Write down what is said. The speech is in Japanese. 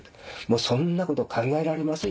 もうそんなこと考えられます？